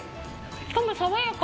しかも爽やか！